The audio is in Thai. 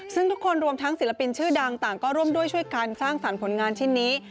ซึ่งทุกคนรวมทั้งศิลปินชื่อดังต่างก็ร่วมด้วยช่วยกันสร้างสรรค์ผลงานชิ้นนี้